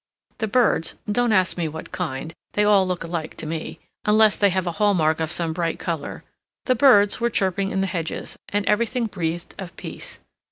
The birds—don't ask me what kind; they all look alike to me, unless they have a hall mark of some bright color—the birds were chirping in the hedges, and everything breathed of peace.